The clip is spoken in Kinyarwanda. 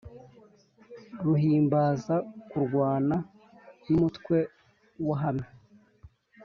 Ruhimbaza kurwana rw’umutwe wahamye